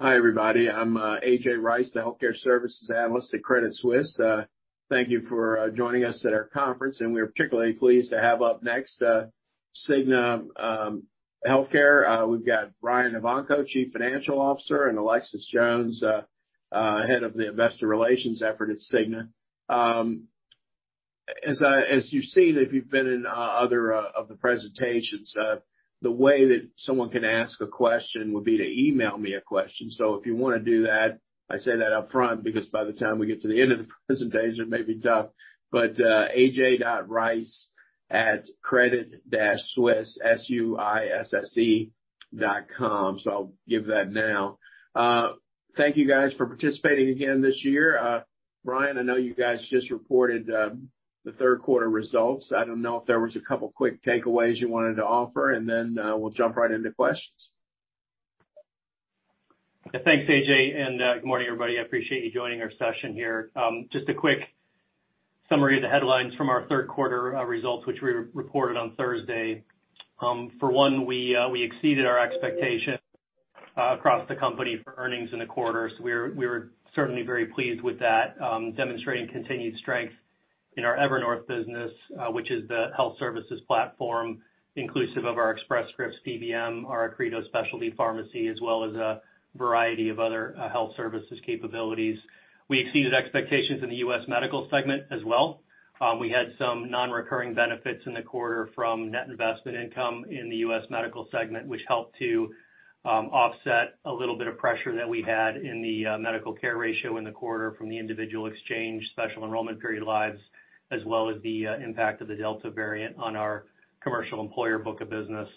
Hi, everybody. I'm A.J. Rice, the Healthcare Services Analyst at Credit Suisse. Thank you for joining us at our conference. We're particularly pleased to have up next The Cigna Group. We've got Brian Evanko, Chief Financial Officer, and Alexis Jones, Head of Investor Relations at The Cigna Group. As you've seen, if you've been in other of the presentations, the way that someone can ask a question would be to email me a question. If you want to do that, I say that up front because by the time we get to the end of the presentation, it may be tough. aj.rice@credit-suisse.com. I'll give that now. Thank you guys for participating again this year. Brian, I know you guys just reported the third quarter results. I don't know if there were a couple of quick takeaways you wanted to offer. Then we'll jump right into questions. Thanks, A.J. And good morning, everybody. I appreciate you joining our session here. Just a quick summary of the headlines from our third quarter results, which we reported on Thursday. For one, we exceeded our expectation across the company for earnings in the quarter. We were certainly very pleased with that, demonstrating continued strength in our Evernorth business, which is the health services platform, inclusive of our Express Scripts PBM, our Accredo Specialty Pharmacy, as well as a variety of other health services capabilities. We exceeded expectations in the U.S. Medical segment as well. We had some non-recurring benefits in the quarter from net investment income in the U.S. Medical segment, which helped to offset a little bit of pressure that we had in the medical care ratio in the quarter from the individual exchange special enrollment period lives, as well as the impact of the Delta variant on our commercial employer book of business.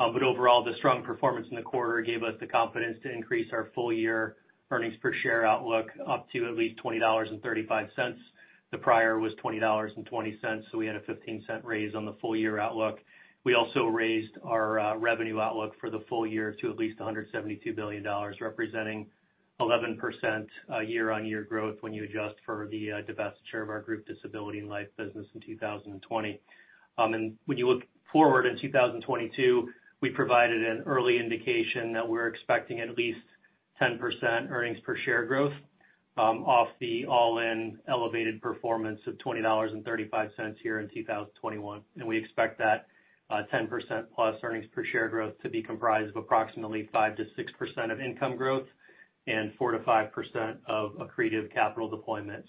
Overall, the strong performance in the quarter gave us the confidence to increase our full-year earnings per share outlook up to at least $20.35. The prior was $20.20. We had a $0.15 raise on the full-year outlook. We also raised our revenue outlook for the full year to at least $172 billion, representing 11% year-on-year growth when you adjust for the divestiture of our group disability and life business in 2020. When you look forward in 2022, we provided an early indication that we're expecting at least 10% earnings per share growth off the all-in elevated performance of $20.35 here in 2021. We expect that 10%+ earnings per share growth to be comprised of approximately 5%-6% of income growth and 4%-5% of accretive capital deployment.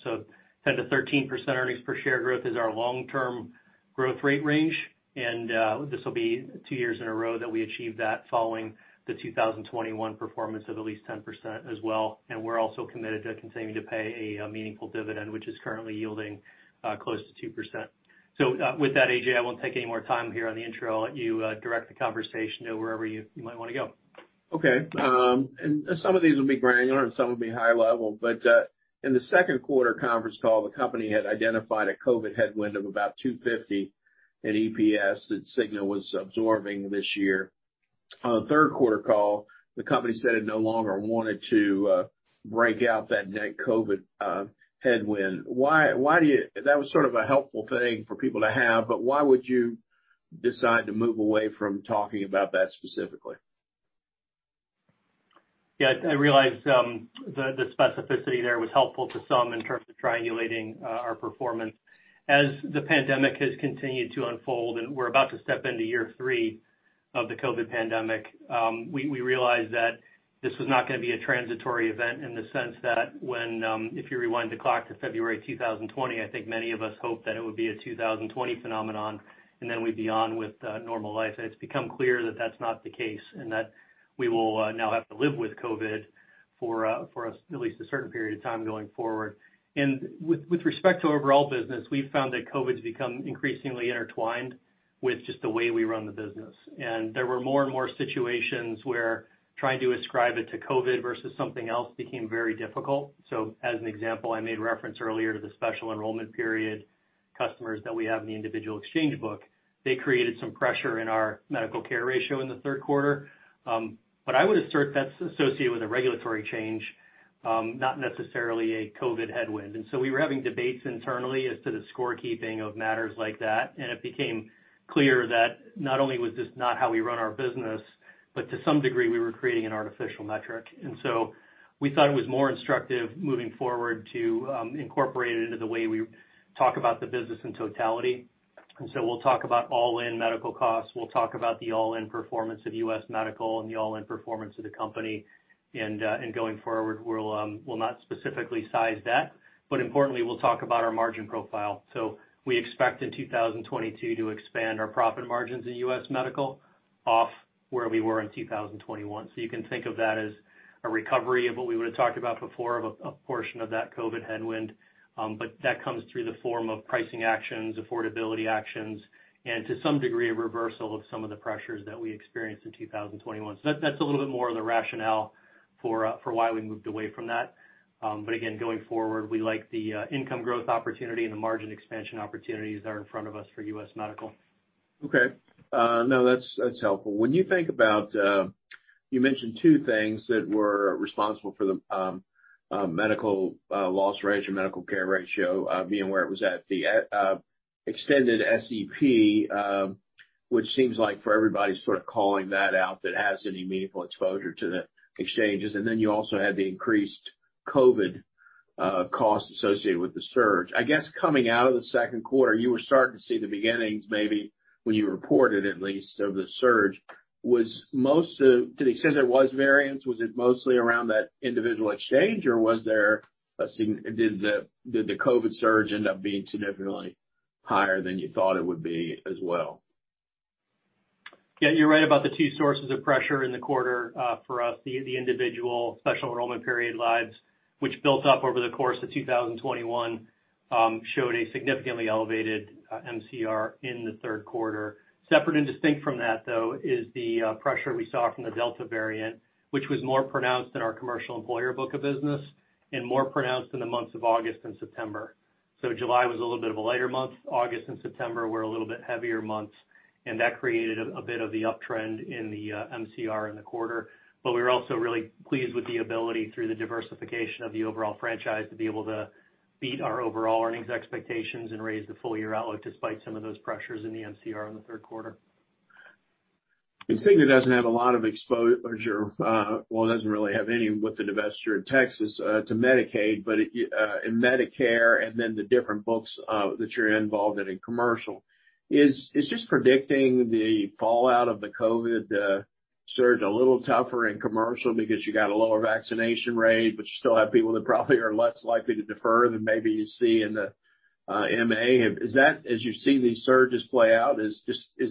10%-13% earnings per share growth is our long-term growth rate range. This will be two years in a row that we achieve that following the 2021 performance of at least 10% as well. We're also committed to continuing to pay a meaningful dividend, which is currently yielding close to 2%. With that, A.J., I won't take any more time here on the intro. I'll let you direct the conversation to wherever you might want to go. OK. Some of these will be granular and some will be high level. In the second quarter conference call, the company had identified a COVID headwind of about $2.50 in EPS that Cigna was absorbing this year. On the third quarter call, the company said it no longer wanted to break out that net COVID headwind. That was sort of a helpful thing for people to have. Why would you decide to move away from talking about that specifically? Yeah, I realize the specificity there was helpful to some in terms of triangulating our performance. As the pandemic has continued to unfold and we're about to step into year three of the COVID pandemic, we realized that this was not going to be a transitory event in the sense that if you rewind the clock to February 2020, I think many of us hoped that it would be a 2020 phenomenon and then we'd be on with normal life. It has become clear that that's not the case and that we will now have to live with COVID for at least a certain period of time going forward. With respect to overall business, we've found that COVID's become increasingly intertwined with just the way we run the business. There were more and more situations where trying to ascribe it to COVID versus something else became very difficult. For example, I made reference earlier to the special enrollment period customers that we have in the individual exchange book. They created some pressure in our medical care ratio in the third quarter. I would assert that's associated with a regulatory change, not necessarily a COVID headwind. We were having debates internally as to the scorekeeping of matters like that. It became clear that not only was this not how we run our business, but to some degree, we were creating an artificial metric. We thought it was more instructive moving forward to incorporate it into the way we talk about the business in totality. We'll talk about all-in medical costs. We'll talk about the all-in performance of U.S. medical and the all-in performance of the company. Going forward, we'll not specifically size that. Importantly, we'll talk about our margin profile. We expect in 2022 to expand our profit margins in U.S. medical off where we were in 2021. You can think of that as a recovery of what we would have talked about before of a portion of that COVID headwind. That comes through the form of pricing actions, affordability actions, and to some degree, a reversal of some of the pressures that we experienced in 2021. That's a little bit more of the rationale for why we moved away from that. Again, going forward, we like the income growth opportunity and the margin expansion opportunities that are in front of us for U.S. medical. OK. No, that's helpful. When you think about, you mentioned two things that were responsible for the medical loss ratio, medical care ratio, being where it was at, the extended SEP, which seems like for everybody sort of calling that out that has any meaningful exposure to the exchanges. You also had the increased COVID costs associated with the surge. I guess coming out of the second quarter, you were starting to see the beginnings maybe when you reported at least of the surge. Was most of the, to the extent there was variance, was it mostly around that individual exchange? Did the COVID surge end up being significantly higher than you thought it would be as well? Yeah, you're right about the two sources of pressure in the quarter for us. The individual special enrollment period lives, which built up over the course of 2021, showed a significantly elevated MCR in the third quarter. Separate and distinct from that, though, is the pressure we saw from the Delta variant, which was more pronounced in our commercial employer book of business and more pronounced in the months of August and September. July was a little bit of a lighter month. August and September were a little bit heavier months. That created a bit of the uptrend in the MCR in the quarter. We were also really pleased with the ability through the diversification of the overall franchise to be able to beat our overall earnings expectations and raise the full-year outlook despite some of those pressures in the MCR in the third quarter. Cigna doesn't have a lot of exposure, it doesn't really have any with the divestiture of Texas, to Medicaid, but in Medicare and then the different books that you're involved in in commercial. Is just predicting the fallout of the COVID surge a little tougher in commercial because you got a lower vaccination rate, but you still have people that probably are less likely to defer than maybe you see in the MA? As you see these surges play out, is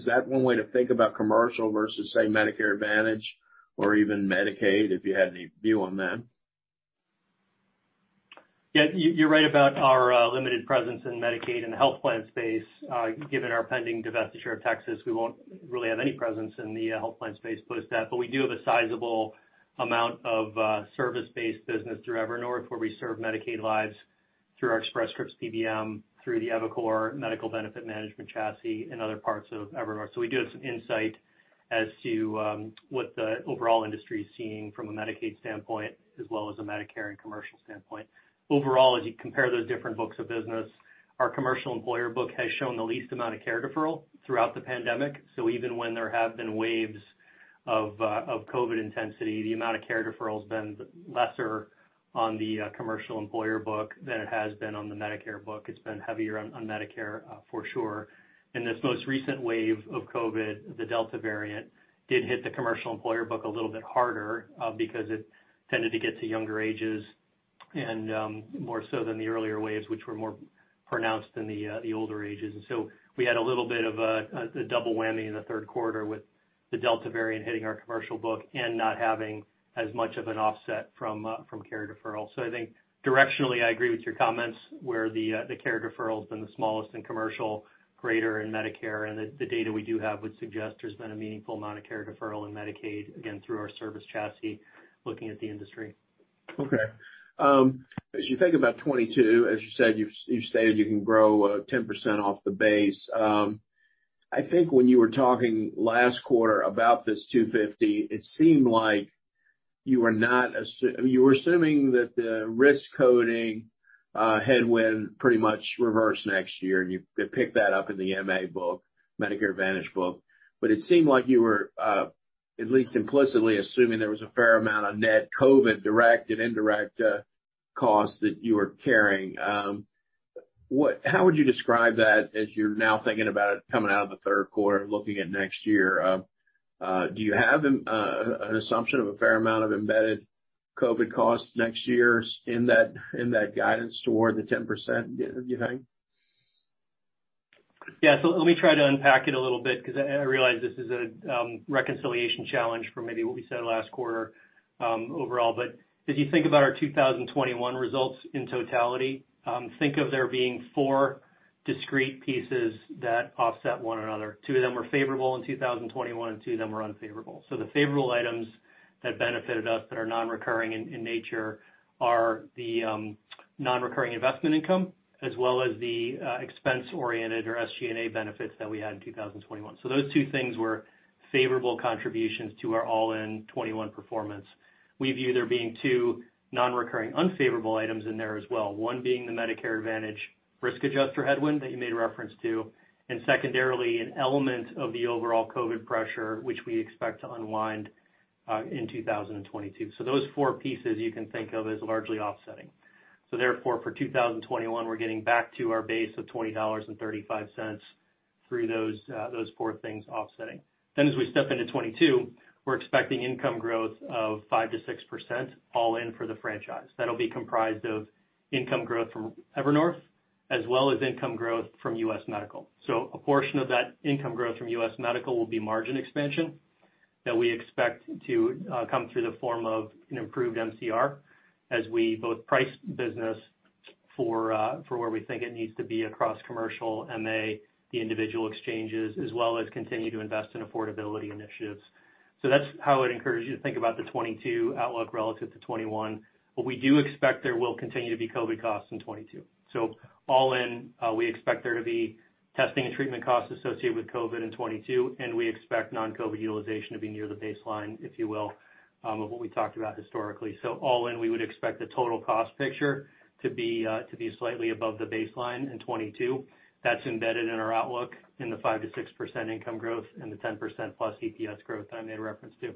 that one way to think about commercial versus, say, Medicare Advantage or even Medicaid, if you had any view on that? Yeah, you're right about our limited presence in Medicaid and the health plan space. Given our pending divestiture of Texas, we won't really have any presence in the health plan space post that. We do have a sizable amount of service-based business through Evernorth where we serve Medicaid lives through our Express Scripts PBM, through the eviCore medical benefit management chassis, and other parts of Evernorth. We do have some insight as to what the overall industry is seeing from a Medicaid standpoint as well as a Medicare and commercial standpoint. Overall, as you compare those different books of business, our commercial employer book has shown the least amount of care deferral throughout the pandemic. Even when there have been waves of COVID intensity, the amount of care deferral has been lesser on the commercial employer book than it has been on the Medicare book. It's been heavier on Medicare for sure. In this most recent wave of COVID, the Delta variant did hit the commercial employer book a little bit harder because it tended to get to younger ages more so than the earlier waves, which were more pronounced in the older ages. We had a little bit of a double whammy in the third quarter with the Delta variant hitting our commercial book and not having as much of an offset from care deferral. I think directionally, I agree with your comments where the care deferral has been the smallest in commercial, greater in Medicare. The data we do have would suggest there's been a meaningful amount of care deferral in Medicaid, again, through our service chassis, looking at the industry. OK. As you think about 2022, as you said, you stated you can grow 10% off the base. I think when you were talking last quarter about this $2.50, it seemed like you were not assuming that the risk coding headwind pretty much reversed next year. You picked that up in the Medicare Advantage book. It seemed like you were at least implicitly assuming there was a fair amount of net COVID direct and indirect costs that you were carrying. How would you describe that as you're now thinking about it coming out of the third quarter, looking at next year? Do you have an assumption of a fair amount of embedded COVID costs next year in that guidance toward the 10%, do you think? Yeah, let me try to unpack it a little bit because I realize this is a reconciliation challenge for maybe what we said last quarter overall. As you think about our 2021 results in totality, think of there being four discrete pieces that offset one another. Two of them were favorable in 2021, and two of them were unfavorable. The favorable items that benefited us that are non-recurring in nature are the non-recurring investment income, as well as the expense-oriented or SG&A benefits that we had in 2021. Those two things were favorable contributions to our all-in 2021 performance. We view there being two non-recurring unfavorable items in there as well, one being the Medicare Advantage risk adjuster headwind that you made reference to, and secondarily, an element of the overall COVID pressure, which we expect to unwind in 2022. Those four pieces you can think of as largely offsetting. Therefore, for 2021, we're getting back to our base of $20.35 through those four things offsetting. As we step into 2022, we're expecting income growth of 5%-6% all-in for the franchise. That will be comprised of income growth from Evernorth as well as income growth from U.S. Medical. A portion of that income growth from U.S. Medical will be margin expansion that we expect to come through the form of an improved MCR as we both price business for where we think it needs to be across commercial, Medicare Advantage, the individual exchanges, as well as continue to invest in affordability initiatives. That's how I would encourage you to think about the 2022 outlook relative to 2021. We do expect there will continue to be COVID costs in 2022. All-in, we expect there to be testing and treatment costs associated with COVID in 2022. We expect non-COVID utilization to be near the baseline, if you will, of what we talked about historically. All-in, we would expect the total cost picture to be slightly above the baseline in 2022. That's embedded in our outlook in the 5%-6% income growth and the 10%+ EPS growth that I made reference to.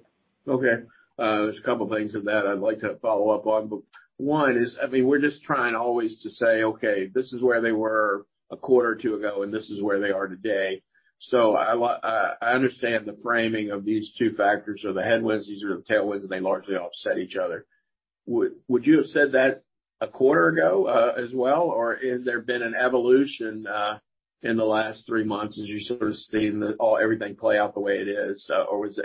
OK. There are a couple of things in that I'd like to follow up on. One is, I mean, we're just trying always to say, OK, this is where they were a quarter or two ago, and this is where they are today. I understand the framing of these two factors or the headwinds. These are the tailwinds, and they largely offset each other. Would you have said that a quarter ago as well? Has there been an evolution in the last three months as you sort of seen everything play out the way it is?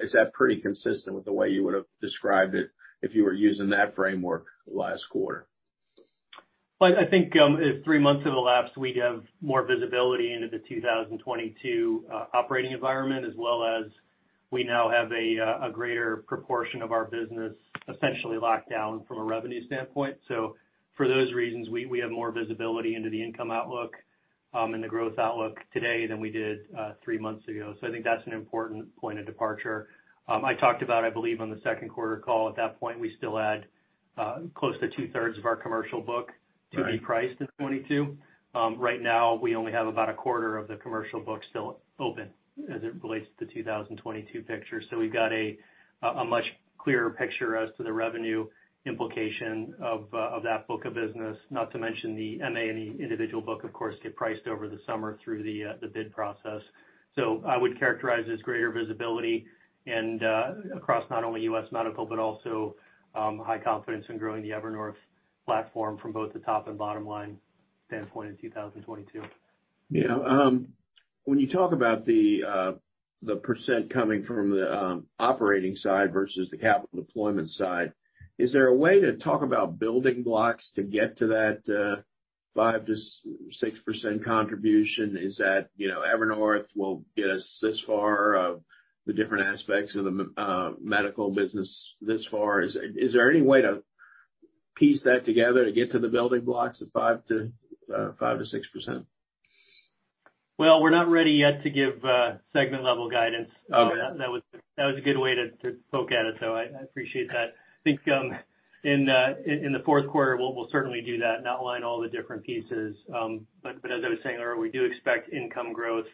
Is that pretty consistent with the way you would have described it if you were using that framework last quarter? I think three months have elapsed. We have more visibility into the 2022 operating environment, as well as we now have a greater proportion of our business essentially locked down from a revenue standpoint. For those reasons, we have more visibility into the income outlook and the growth outlook today than we did three months ago. I think that's an important point of departure. I talked about, I believe, on the second quarter call, at that point, we still had close to 2/3 of our commercial book to be priced in 2022. Right now, we only have about a quarter of the commercial book still open as it relates to the 2022 picture. We've got a much clearer picture as to the revenue implication of that book of business, not to mention the Medicare Advantage and the individual book, of course, get priced over the summer through the bid process. I would characterize it as greater visibility and across not only U.S. Medical, but also high confidence in growing the Evernorth platform from both the top and bottom line standpoint in 2022. When you talk about the percentage coming from the operating side versus the capital deployment side, is there a way to talk about building blocks to get to that 5%-6% contribution? Is that Evernorth will get us this far of the different aspects of the medical business this far? Is there any way to piece that together to get to the building blocks of 5%-6%? We're not ready yet to give segment-level guidance. That was a good way to poke at it. I appreciate that. I think in the fourth quarter, we'll certainly do that and outline all the different pieces. As I was saying earlier, we do expect income growth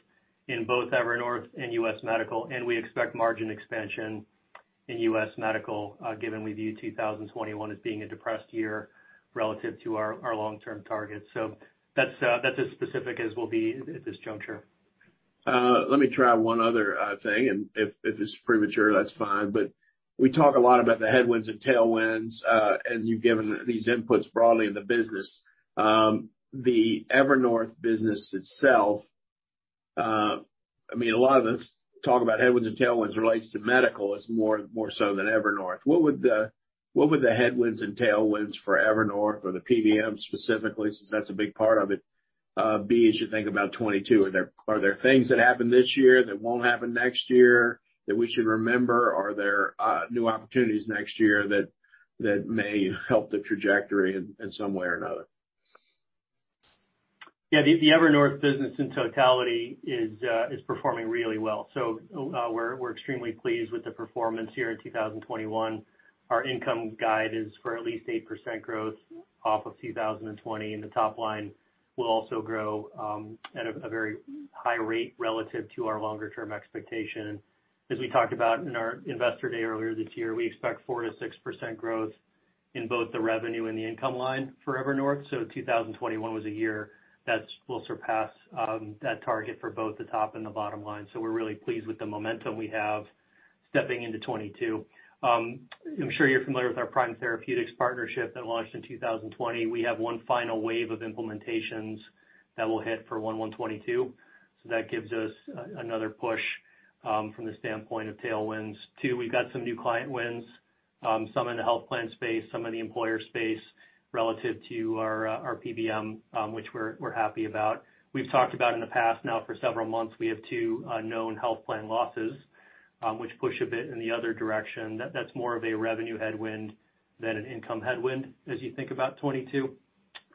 in both Evernorth and U.S. Medical, and we expect margin expansion in U.S. Medical, given we view 2021 as being a depressed year relative to our long-term targets. That's as specific as we'll be at this juncture. Let me try one other thing. If it's premature, that's fine. We talk a lot about the headwinds and tailwinds, and you've given these inputs broadly in the business. The Evernorth business itself, a lot of us talk about headwinds and tailwinds related to medical more so than Evernorth. What would the headwinds and tailwinds for Evernorth or the Pharmacy Benefit Management specifically, since that's a big part of it, be as you think about 2022? Are there things that happened this year that won't happen next year that we should remember? Are there new opportunities next year that may help the trajectory in some way or another? Yeah, the Evernorth business in totality is performing really well. We're extremely pleased with the performance here in 2021. Our income guide is for at least 8% growth off of 2020, and the top line will also grow at a very high rate relative to our longer-term expectation. As we talked about in our Investor Day earlier this year, we expect 4%-6% growth in both the revenue and the income line for Evernorth. 2021 was a year that will surpass that target for both the top and the bottom line. We're really pleased with the momentum we have stepping into 2022. I'm sure you're familiar with our Prime Therapeutics partnership that launched in 2020. We have one final wave of implementations that will hit for 1/1/2022. That gives us another push from the standpoint of tailwinds. We've got some new client wins, some in the health plan space, some in the employer space relative to our Pharmacy Benefit Management, which we're happy about. We've talked about in the past now for several months, we have two known health plan losses, which push a bit in the other direction. That's more of a revenue headwind than an income headwind as you think about 2022.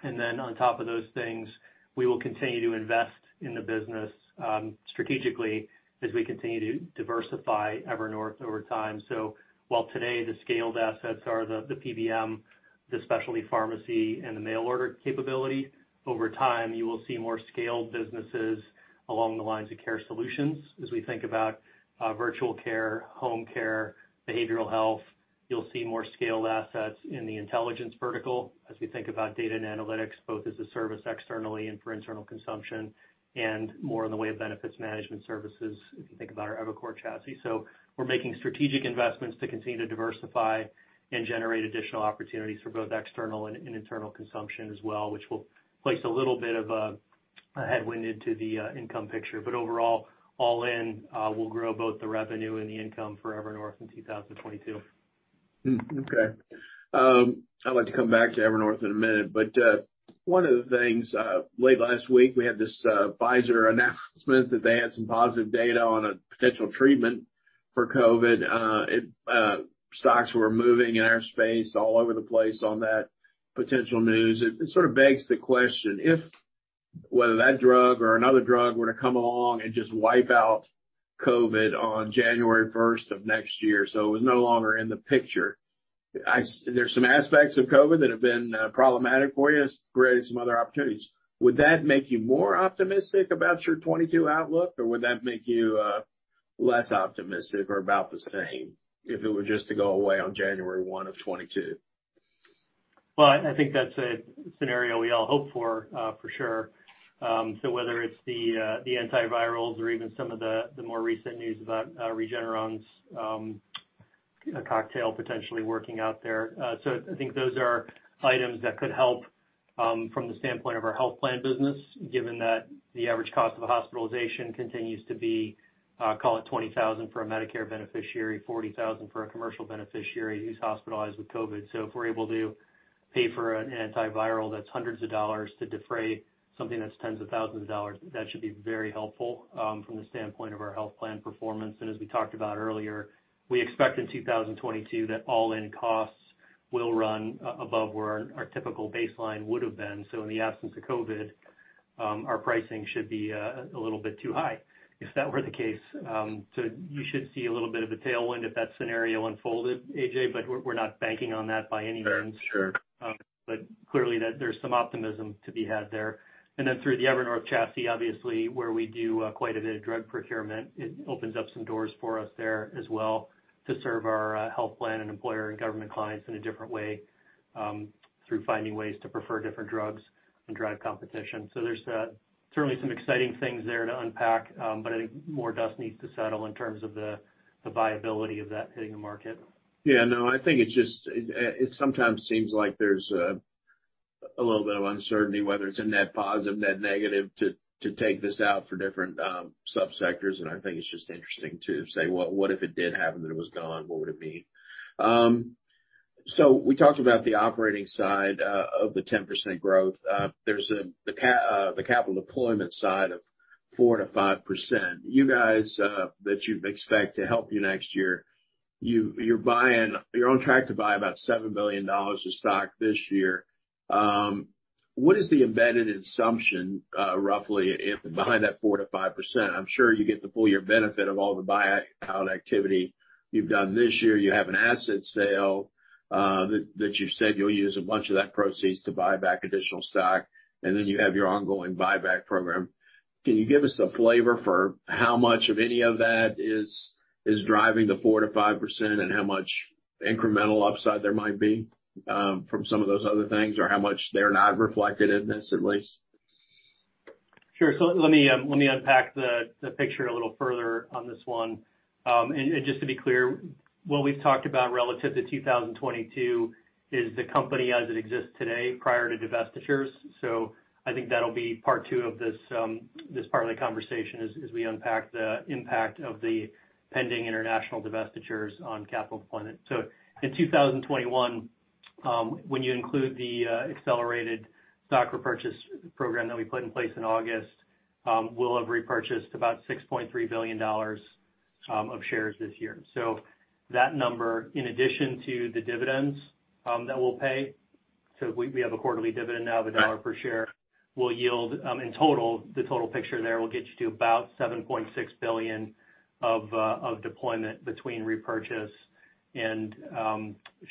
On top of those things, we will continue to invest in the business strategically as we continue to diversify Evernorth over time. While today the scaled assets are the Pharmacy Benefit Management, the Specialty Pharmacy, and the mail order capability, over time, you will see more scaled businesses along the lines of care solutions as we think about virtual care, home care, behavioral health. You'll see more scaled assets in the intelligence vertical as we think about data and analytics, both as a service externally and for internal consumption, and more in the way of benefits management services if you think about our eviCore chassis. We're making strategic investments to continue to diversify and generate additional opportunities for both external and internal consumption as well, which will place a little bit of a headwind into the income picture. Overall, all-in, we will grow both the revenue and the income for Evernorth in 2022. OK. I'd like to come back to Evernorth in a minute. One of the things, late last week, we had this Pfizer announcement that they had some positive data on a potential treatment for COVID. Stocks were moving in our space all over the place on that potential news. It sort of begs the question if whether that drug or another drug were to come along and just wipe out COVID on January 1st of next year, so it was no longer in the picture. There are some aspects of COVID that have been problematic for you, created some other opportunities. Would that make you more optimistic about your 2022 outlook? Would that make you less optimistic or about the same if it were just to go away on January 1st of 2022? I think that's a scenario we all hope for, for sure. Whether it's the antivirals or even some of the more recent news about Regeneron's cocktail potentially working out there, I think those are items that could help from the standpoint of our health plan business, given that the average cost of hospitalization continues to be, call it $20,000 for a Medicare beneficiary, $40,000 for a commercial beneficiary who's hospitalized with COVID. If we're able to pay for an antiviral that's hundreds of dollars to defray something that's tens of thousands of dollars, that should be very helpful from the standpoint of our health plan performance. As we talked about earlier, we expect in 2022 that all-in costs will run above where our typical baseline would have been. In the absence of COVID, our pricing should be a little bit too high if that were the case. You should see a little bit of a tailwind if that scenario unfolded, A.J. However, we're not banking on that by any means. Sure. Clearly, there's some optimism to be had there. Through the Evernorth chassis, obviously, where we do quite a bit of drug procurement, it opens up some doors for us there as well to serve our health plan and employer and government clients in a different way through finding ways to prefer different drugs and drive competition. There's certainly some exciting things there to unpack. I think more dust needs to settle in terms of the viability of that hitting the market. Yeah, no, I think it just sometimes seems like there's a little bit of uncertainty, whether it's a net positive, net negative, to take this out for different subsectors. I think it's just interesting to say, what if it did happen that it was gone? What would it mean? We talked about the operating side of the 10% growth. There's the capital deployment side of 4%-5%. You guys that you expect to help you next year, you're on track to buy about $7 billion of stock this year. What is the embedded assumption roughly behind that 4%-5%? I'm sure you get the full-year benefit of all the buyout activity you've done this year. You have an asset sale that you said you'll use a bunch of that proceeds to buy back additional stock, and then you have your ongoing buyback program. Can you give us a flavor for how much of any of that is driving the 4%-5% and how much incremental upside there might be from some of those other things or how much they're not reflected in this at least? Sure. Let me unpack the picture a little further on this one. Just to be clear, what we've talked about relative to 2022 is the company as it exists today prior to divestitures. I think that'll be part two of this part of the conversation as we unpack the impact of the pending international divestitures on capital deployment. In 2021, when you include the accelerated stock repurchase program that we put in place in August, we'll have repurchased about $6.3 billion of shares this year. That number, in addition to the dividends that we'll pay, so we have a quarterly dividend now of $1 per share, will yield in total, the total picture in there will get you to about $7.6 billion of deployment between repurchase and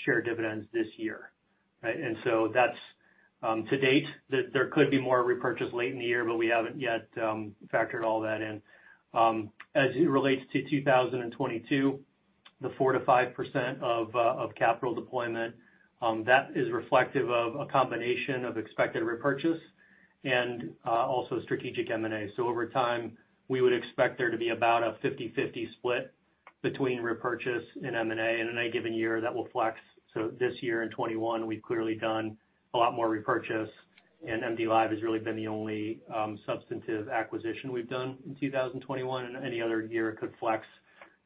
share dividends this year. That's to date. There could be more repurchase late in the year. We haven't yet factored all that in. As it relates to 2022, the 4%-5% of capital deployment is reflective of a combination of expected repurchase and also strategic M&A. Over time, we would expect there to be about a 50/50 split between repurchase and M&A. In any given year, that will flex. This year in 2021, we've clearly done a lot more repurchase. MDLIVE has really been the only substantive acquisition we've done in 2021. Any other year, it could flex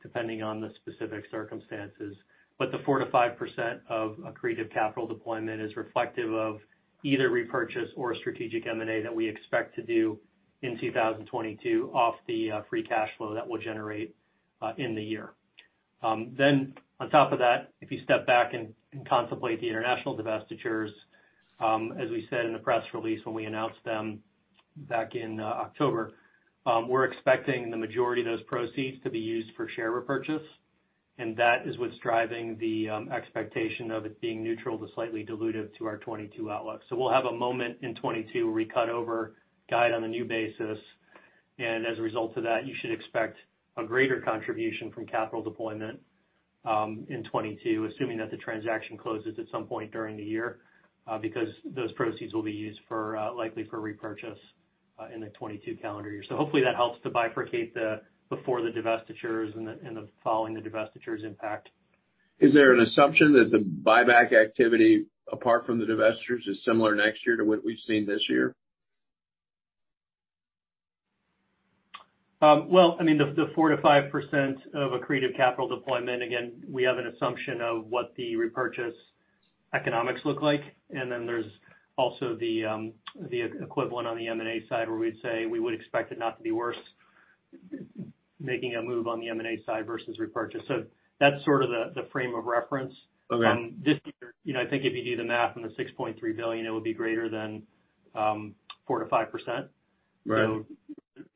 depending on the specific circumstances. The 4% to 5% of accretive capital deployment is reflective of either repurchase or strategic M&A that we expect to do in 2022 off the free cash flow that we'll generate in the year. If you step back and contemplate the international divestitures, as we said in the press release when we announced them back in October, we're expecting the majority of those proceeds to be used for share repurchase. That is what's driving the expectation of it being neutral to slightly dilutive to our 2022 outlook. We'll have a moment in 2022 where we cut over guide on a new basis. As a result of that, you should expect a greater contribution from capital deployment in 2022, assuming that the transaction closes at some point during the year because those proceeds will be used likely for repurchase in the 2022 calendar year. Hopefully, that helps to bifurcate the before the divestitures and the following the divestitures impact. Is there an assumption that the buyback activity, apart from the divestitures, is similar next year to what we've seen this year? The 4%-5% of accretive capital deployment, again, we have an assumption of what the repurchase economics look like. There's also the equivalent on the M&A side where we'd say we would expect it not to be worse, making a move on the M&A side versus repurchase. That's sort of the frame of reference. OK. I think if you do the math on the $6.3 billion, it would be greater than 4%-5%. Right.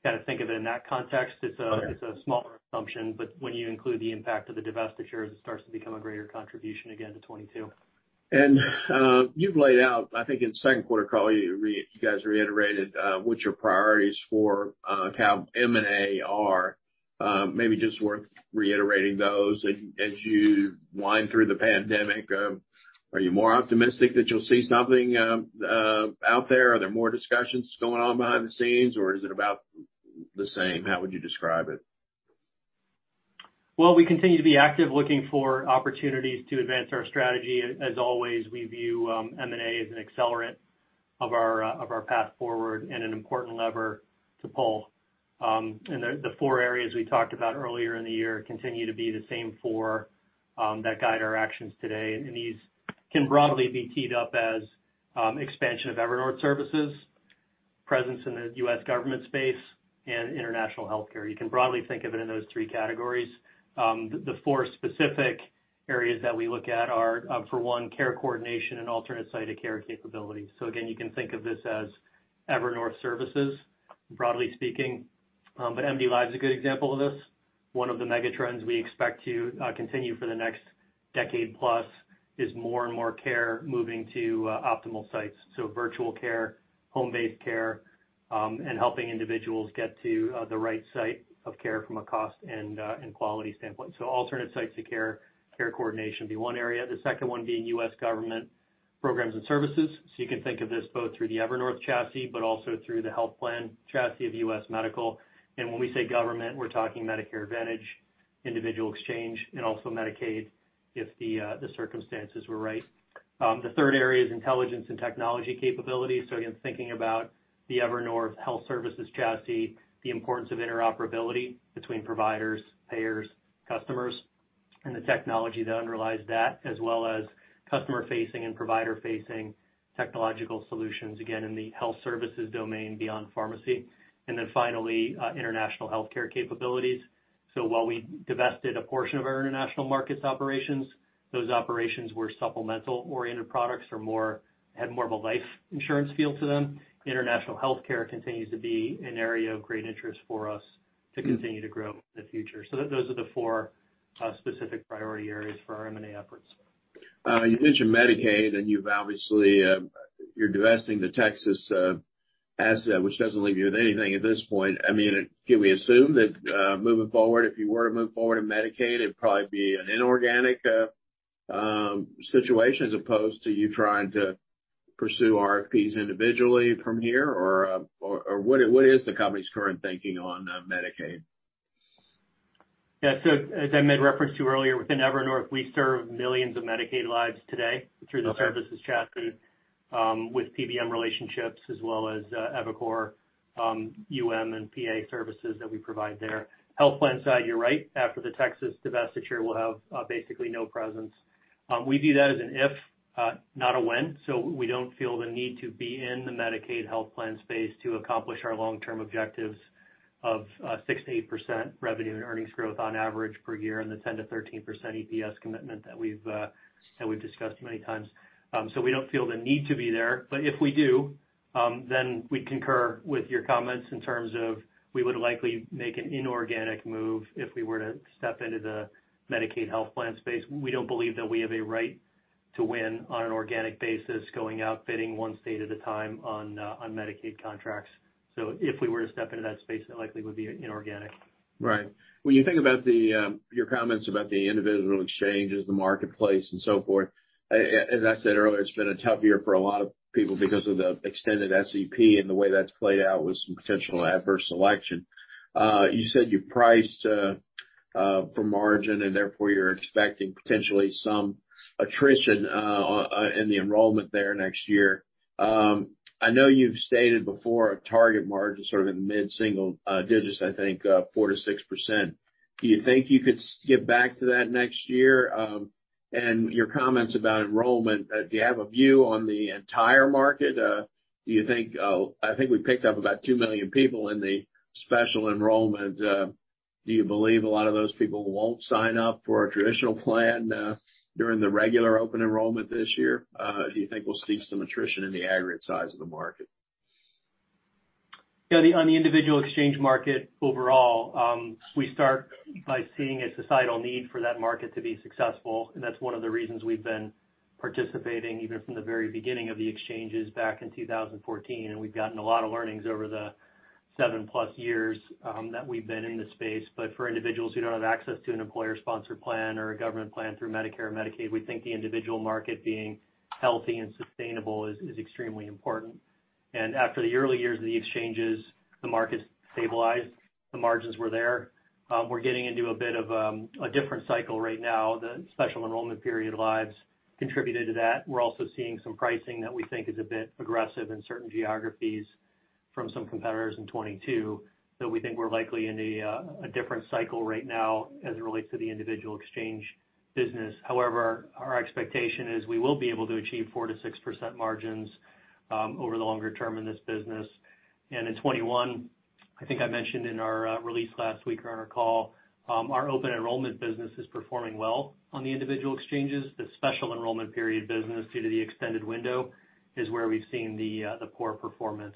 Kind of think of it in that context. It's a small assumption, but when you include the impact of the divestitures, it starts to become a greater contribution again to 2022. You laid out, I think in the second quarter call, you guys reiterated what your priorities for M&A are. Maybe just worth reiterating those. As you wind through the pandemic, are you more optimistic that you'll see something out there? Are there more discussions going on behind the scenes? Is it about the same? How would you describe it? We continue to be active looking for opportunities to advance our strategy. As always, we view M&A as an accelerant of our path forward and an important lever to pull. The four areas we talked about earlier in the year continue to be the same four that guide our actions today. These can broadly be teed up as expansion of Evernorth services, presence in the U.S. government space, and international health care. You can broadly think of it in those three categories. The four specific areas that we look at are, for one, care coordination and alternate site of care capabilities. You can think of this as Evernorth services, broadly speaking. MDLIVE is a good example of this. One of the megatrends we expect to continue for the next decade plus is more and more care moving to optimal sites, virtual care, home-based care, and helping individuals get to the right site of care from a cost and quality standpoint. Alternate sites of care coordination would be one area. The second one being U.S. government programs and services. You can think of this both through the Evernorth chassis, but also through the health plan chassis of U.S. Medical. When we say government, we're talking Medicare Advantage, individual exchange, and also Medicaid if the circumstances were right. The third area is intelligence and technology capabilities. Thinking about the Evernorth health services chassis, the importance of interoperability between providers, payers, customers, and the technology that underlies that, as well as customer-facing and provider-facing technological solutions, in the health services domain beyond pharmacy. Finally, international health care capabilities. While we divested a portion of our international markets operations, those operations were supplemental-oriented products or had more of a life insurance feel to them. International health care continues to be an area of great interest for us to continue to grow in the future. Those are the four specific priority areas for our M&A efforts. You mentioned Medicaid. You've obviously, you're divesting the Texas asset, which doesn't leave you with anything at this point. Can we assume that moving forward, if you were to move forward in Medicaid, it'd probably be an inorganic situation as opposed to you trying to pursue RFPs individually from here? What is the company's current thinking on Medicaid? Yeah, as I made reference to earlier, within Evernorth, we serve millions of Medicaid lives today through the services chassis with PBM relationships, as well as eviCore and PA services that we provide there. Health plan side, you're right. After the Texas divestiture, we'll have basically no presence. We view that as an if, not a when. We don't feel the need to be in the Medicaid health plan space to accomplish our long-term objectives of 6% to 8% revenue and earnings growth on average per year and the 10%-13% EPS commitment that we've discussed many times. We don't feel the need to be there. If we do, then we'd concur with your comments in terms of we would likely make an inorganic move if we were to step into the Medicaid health plan space. We don't believe that we have a right to win on an organic basis, going out bidding one state at a time on Medicaid contracts. If we were to step into that space, it likely would be inorganic. Right. When you think about your comments about the individual exchanges, the marketplace, and so forth, as I said earlier, it's been a tough year for a lot of people because of the extended SEP and the way that's played out with some potential adverse selection. You said you priced for margin, and therefore, you're expecting potentially some attrition in the enrollment there next year. I know you've stated before a target margin sort of in the mid-single digits, I think 4%-6%. Do you think you could get back to that next year? Your comments about enrollment, do you have a view on the entire market? Do you think, I think we picked up about 2 million people in the special enrollment. Do you believe a lot of those people won't sign up for a traditional plan during the regular open enrollment this year? Do you think we'll see some attrition in the aggregate size of the market? Yeah, on the individual exchange market overall, we start by seeing a societal need for that market to be successful. That's one of the reasons we've been participating even from the very beginning of the exchanges back in 2014. We've gotten a lot of learnings over the 7+ years that we've been in the space. For individuals who don't have access to an employer-sponsored plan or a government plan through Medicare and Medicaid, we think the individual market being healthy and sustainable is extremely important. After the early years of the exchanges, the markets stabilized. The margins were there. We're getting into a bit of a different cycle right now. The special enrollment period lives contributed to that. We're also seeing some pricing that we think is a bit aggressive in certain geographies from some competitors in 2022. We think we're likely in a different cycle right now as it relates to the individual exchange business. However, our expectation is we will be able to achieve 4%-6% margins over the longer term in this business. In 2021, I think I mentioned in our release last week or on our call, our open enrollment business is performing well on the individual exchanges. The special enrollment period business, due to the extended window, is where we've seen the poor performance.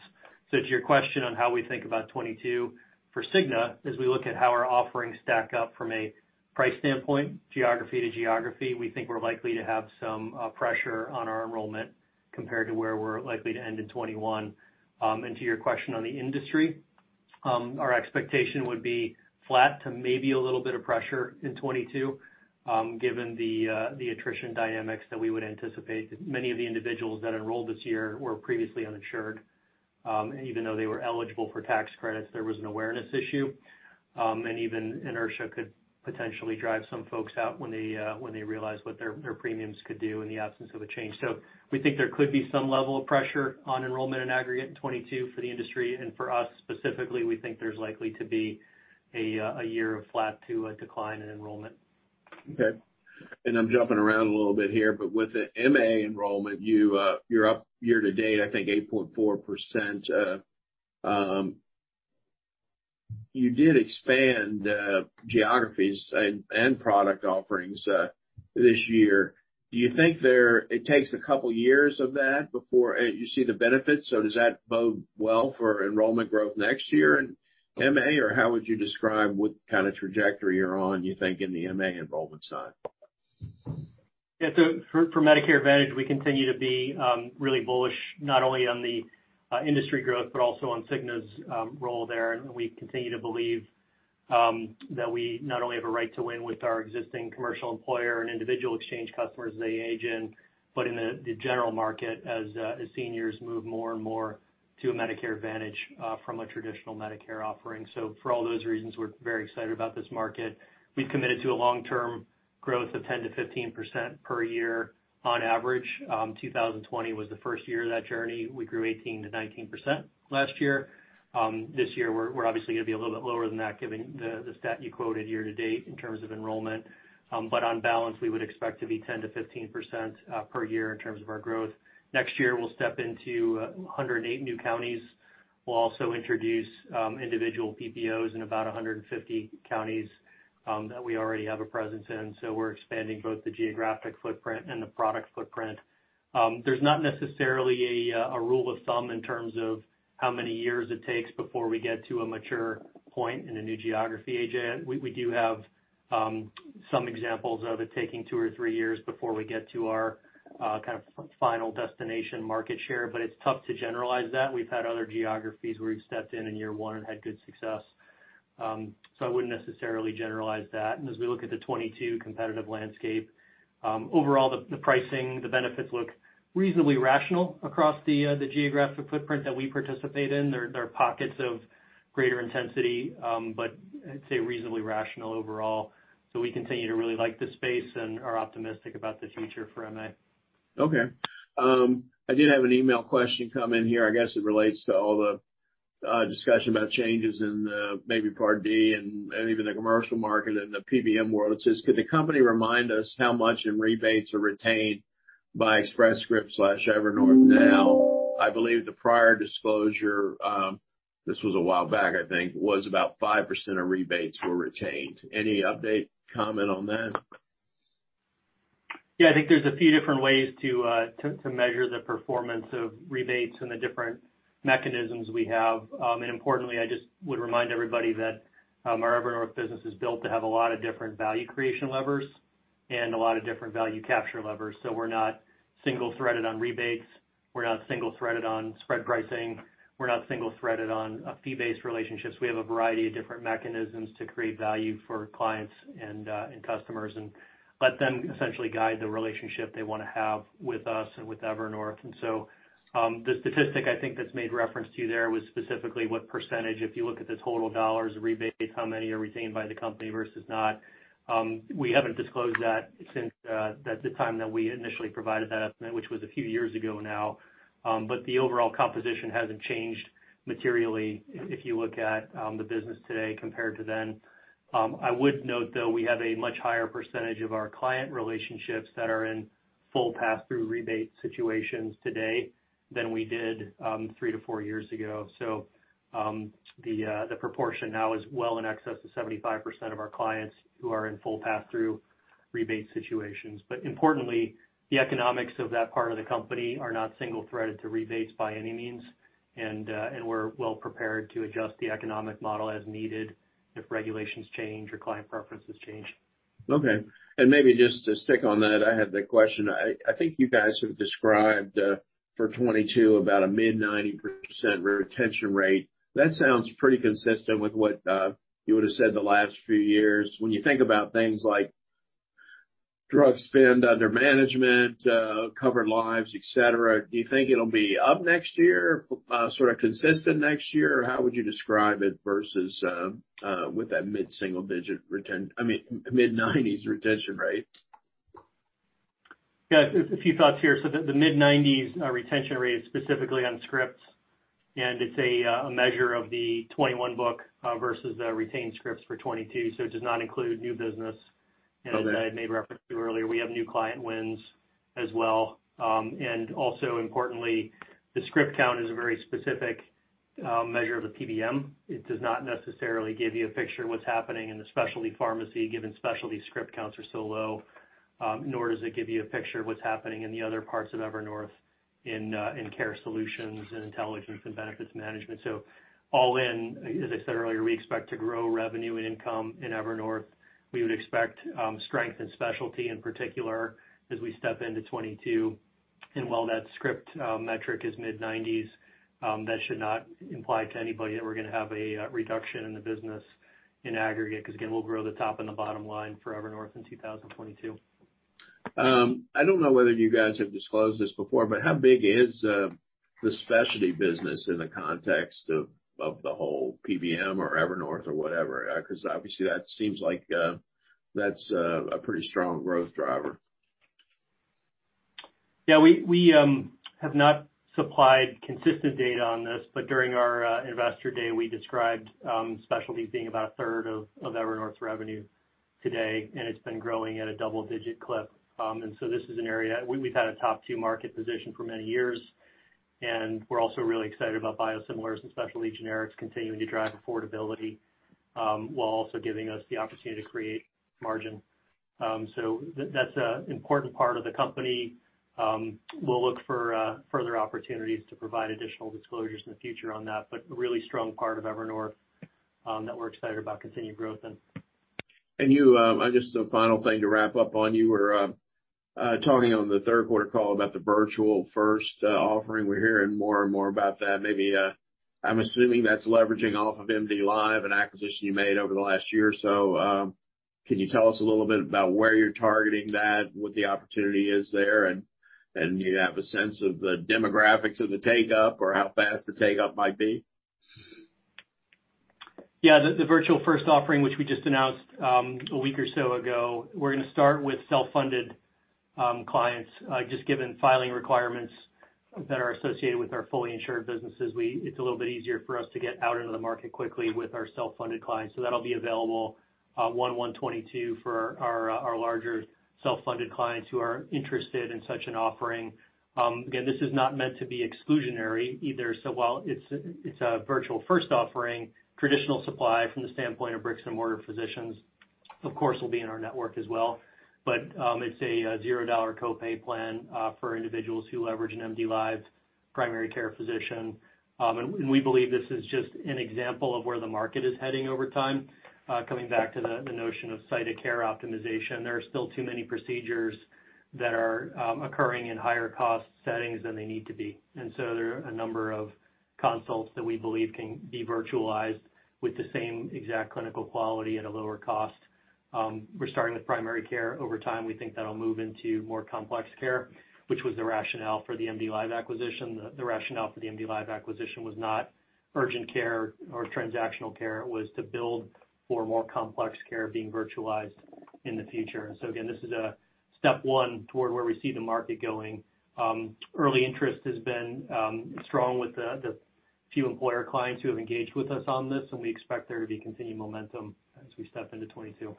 To your question on how we think about 2022, for Cigna, as we look at how our offerings stack up from a price standpoint, geography to geography, we think we're likely to have some pressure on our enrollment compared to where we're likely to end in 2021. To your question on the industry, our expectation would be flat to maybe a little bit of pressure in 2022, given the attrition dynamics that we would anticipate. Many of the individuals that enrolled this year were previously uninsured. Even though they were eligible for tax credits, there was an awareness issue. Inertia could potentially drive some folks out when they realized what their premiums could do in the absence of a change. We think there could be some level of pressure on enrollment in aggregate in 2022 for the industry. For us specifically, we think there's likely to be a year of flat to a decline in enrollment. OK. I'm jumping around a little bit here. With the Medicare Advantage enrollment, you're up year to date, I think 8.4%. You did expand geographies and product offerings this year. Do you think it takes a couple of years of that before you see the benefits? Does that bode well for enrollment growth next year in Medicare Advantage? How would you describe what kind of trajectory you're on, you think, in the Medicare Advantage enrollment side? Yeah, so for Medicare Advantage, we continue to be really bullish, not only on the industry growth, but also on Cigna's role there. We continue to believe that we not only have a right to win with our existing commercial employer and individual exchange customers as they age in, but in the general market as seniors move more and more to a Medicare Advantage from a traditional Medicare offering. For all those reasons, we're very excited about this market. We've committed to a long-term growth of 10%-15% per year on average. 2020 was the first year of that journey. We grew 18%-19% last year. This year, we're obviously going to be a little bit lower than that, given the stat you quoted year to date in terms of enrollment. On balance, we would expect to be 10%-15% per year in terms of our growth. Next year, we'll step into 108 new counties. We'll also introduce individual PPOs in about 150 counties that we already have a presence in. We're expanding both the geographic footprint and the product footprint. There's not necessarily a rule of thumb in terms of how many years it takes before we get to a mature point in a new geography. A.J., we do have some examples of it taking 2-3 years before we get to our kind of final destination market share. It's tough to generalize that. We've had other geographies where we've stepped in in year one and had good success. I wouldn't necessarily generalize that. As we look at the 2022 competitive landscape, overall, the pricing, the benefits look reasonably rational across the geographic footprint that we participate in. There are pockets of greater intensity, but I'd say reasonably rational overall. We continue to really like this space and are optimistic about the future for MA. OK. I did have an email question come in here. I guess it relates to all the discussion about changes in maybe Part D and even the commercial market and the PBM world. It says, could the company remind us how much in rebates are retained by Express Scripts/Evernorth now? I believe the prior disclosure, this was a while back, I think, was about 5% of rebates were retained. Any update comment on that? Yeah, I think there's a few different ways to measure the performance of rebates and the different mechanisms we have. Importantly, I just would remind everybody that our Evernorth business is built to have a lot of different value creation levers and a lot of different value capture levers. We're not single-threaded on rebates. We're not single-threaded on spread pricing. We're not single-threaded on fee-based relationships. We have a variety of different mechanisms to create value for clients and customers and let them essentially guide the relationship they want to have with us and with Evernorth. The statistic I think that's made reference to there was specifically what percentage, if you look at the total dollars of rebates, how many are retained by the company versus not. We haven't disclosed that since the time that we initially provided that estimate, which was a few years ago now. The overall composition hasn't changed materially if you look at the business today compared to then. I would note, though, we have a much higher percentage of our client relationships that are in full pass-through rebate situations today than we did 3-4 years ago. The proportion now is well in excess of 75% of our clients who are in full pass-through rebate situations. Importantly, the economics of that part of the company are not single-threaded to rebates by any means. We're well prepared to adjust the economic model as needed if regulations change or client preferences change. OK. Maybe just to stick on that, I had the question. I think you guys have described for 2022 about a mid-90% retention rate. That sounds pretty consistent with what you would have said the last few years. When you think about things like drug spend under management, covered lives, etc, do you think it'll be up next year, sort of consistent next year? How would you describe it versus with that mid-single digit retention, I mean, mid-90% retention rate? A few thoughts here. The mid-90% retention rate is specifically on scripts, and it's a measure of the 2021 book versus the retained scripts for 2022. It does not include new business. OK. That I had made reference to earlier. We have new client wins as well. Importantly, the script count is a very specific measure of the PBM. It does not necessarily give you a picture of what's happening in the Specialty Pharmacy, given specialty script counts are so low. Nor does it give you a picture of what's happening in the other parts of Evernorth in care solutions, in intelligence, and benefits management. All in, as I said earlier, we expect to grow revenue and income in Evernorth. We would expect strength in specialty in particular as we step into 2022. While that script metric is mid-90s, that should not imply to anybody that we're going to have a reduction in the business in aggregate because, again, we'll grow the top and the bottom line for Evernorth in 2022. I don't know whether you guys have disclosed this before, but how big is the specialty business in the context of the whole PBM or Evernorth or whatever? Because obviously, that seems like that's a pretty strong growth driver. We have not supplied consistent data on this. During our Investor Day, we described specialty being about a third of Evernorth's revenue today, and it's been growing at a double-digit clip. This is an area we've had a top-two market position for many years. We're also really excited about biosimilars and specialty generics continuing to drive affordability while also giving us the opportunity to create margin. That's an important part of the company. We'll look for further opportunities to provide additional disclosures in the future on that. A really strong part of Evernorth that we're excited about continued growth in. I'm just a final thing to wrap up on. You were talking on the third quarter call about the virtual-first offering. We're hearing more and more about that. Maybe I'm assuming that's leveraging off of MDLIVE, an acquisition you made over the last year or so. Can you tell us a little bit about where you're targeting that, what the opportunity is there? Do you have a sense of the demographics of the takeup or how fast the takeup might be? Yeah, the virtual-first offering, which we just announced a week or so ago, we're going to start with self-funded clients. Just given filing requirements that are associated with our fully insured businesses, it's a little bit easier for us to get out into the market quickly with our self-funded clients. That'll be available 1/1/2022 for our larger self-funded clients who are interested in such an offering. This is not meant to be exclusionary either. While it's a virtual-first offering, traditional supply from the standpoint of bricks and mortar physicians, of course, will be in our network as well. It's a $0 copay plan for individuals who leverage an MDLIVE primary care physician. We believe this is just an example of where the market is heading over time. Coming back to the notion of site of care optimization, there are still too many procedures that are occurring in higher cost settings than they need to be. There are a number of consults that we believe can be virtualized with the same exact clinical quality at a lower cost. We're starting with primary care. Over time, we think that'll move into more complex care, which was the rationale for the MDLIVE acquisition. The rationale for the MDLIVE acquisition was not urgent care or transactional care. It was to build for more complex care being virtualized in the future. This is a step one toward where we see the market going. Early interest has been strong with the few employer clients who have engaged with us on this. We expect there to be continued momentum as we step into 2022.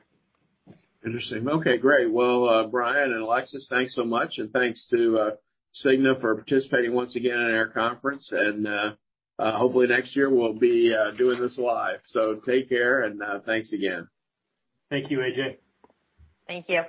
Interesting. OK, great. Brian and Alexis, thanks so much. Thanks to The Cigna Group for participating once again in our conference. Hopefully, next year, we'll be doing this live. Take care, and thanks again. Thank you, A.J. Thank you.